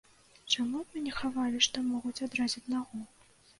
Чаму ад мяне хавалі, што могуць адрэзаць нагу?